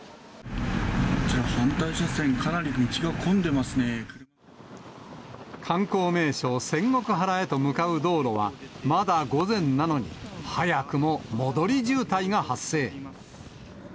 反対車線、かなり道が混んで観光名所、仙石原へと向かう道路は、まだ午前なのに、早くも戻り渋滞が発生。